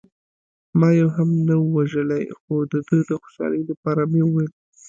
ما یو هم نه و وژلی، خو د ده د خوشحالۍ لپاره مې وویل.